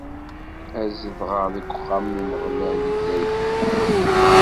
Ad zedɣeɣ deg uxxxam n Umeɣlal, i dayem.